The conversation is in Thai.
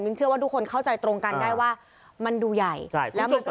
ผมยินเชื่อว่าทุกคนเข้าใจตรงกันได้ว่ามันดูใหญ่แล้วมันก็ดูหนัก